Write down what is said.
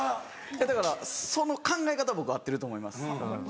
だからその考え方は僕合ってると思います。